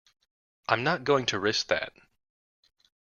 I'm not going to risk that!